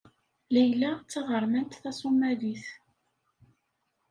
Layla d taɣermant taṣumalit.